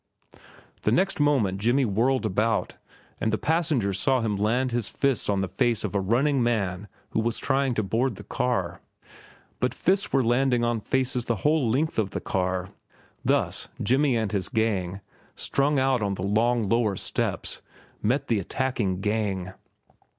The next moment Jimmy whirled about, and the passengers saw him land his fist on the face of a running man who was trying to board the car. But fists were landing on faces the whole length of the car. Thus, Jimmy and his gang, strung out on the long, lower steps, met the attacking gang.